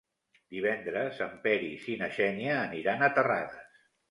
Divendres en Peris i na Xènia aniran a Terrades.